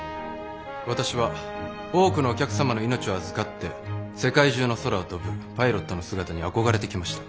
私は多くのお客様の命を預かって世界中の空を飛ぶパイロットの姿に憧れてきました。